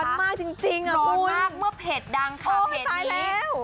ร้อนมากจริงอ่ะคุณร้อนมากเมื่อเพจดังค่ะเพจนี้โอ๊ยซ้ายแล้ว